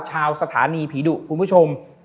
ชาวสถานีผีดุคุณผู้ชม